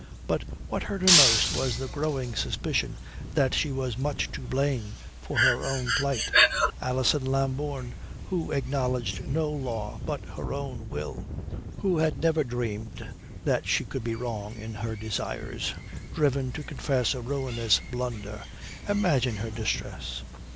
But what hurt her most was the growing suspicion that she was much to blame for her own plight. Alison Lambourne, who acknowledged no law but her own will, who had never dreamed that she could be wrong in her desires, driven to confess a ruinous blunder! Imagine her distress.